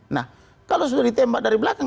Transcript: nah kalau sudah ditembak dari belakang